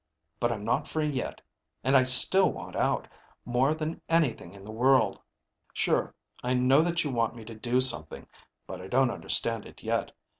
But I'm not free yet. And I still want out, more than anything in the world. "Sure, I know that you want me to do something, but I don't understand it yet.